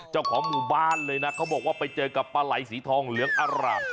เจ้าของหมู่บ้านเลยนะเขาบอกว่าไปเจอกับปลาไหล่สีทองเหลืองอร่าม